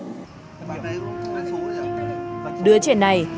đứa trẻ này chưa hiểu hết được tác hại của khói thuốc